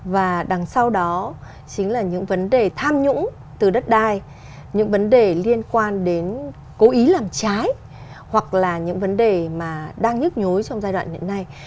và đằng sau đó chính là những vấn đề tham nhũng từ đất đai những vấn đề liên quan đến cố ý làm trái hoặc là những vấn đề mà đang nhức nhối trong giai đoạn hiện nay